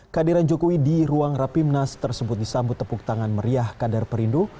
kehadiran jokowi di ruang rapimnas tersebut disambut tepuk tangan meriah kader perindo